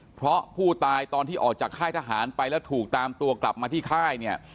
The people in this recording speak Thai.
เพราะผู้ตายตอนที่ออกจากค่ายทหารไปแล้วถูกตามตัวกลับมาที่ค่ายเนี่ย